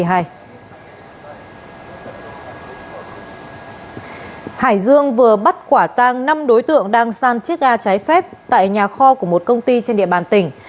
hải dương vừa bắt quả tang năm đối tượng đang san chiếc gà trái phép tại nhà kho của một công ty trên địa bàn tỉnh